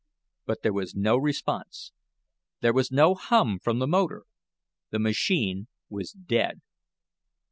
But there was no response. There was no hum from the motor. The machine was "dead."